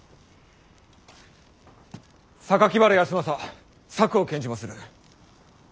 原康政策を献じまする！